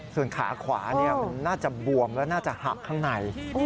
ส่วนขาขวามันน่าจะบวมและน่าจะหักข้างใน